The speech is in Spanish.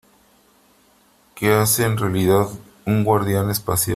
¿ Qué hace en realidad un guardián espacial ?